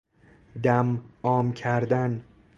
دم عام کردن